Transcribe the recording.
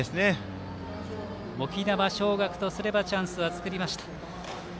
沖縄尚学とすればチャンスは作りました。